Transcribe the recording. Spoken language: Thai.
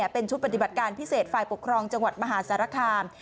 เป็นชุดปฏิบัติการพิเศษฝ่ายปกครองจังหวัดมหาสารคาม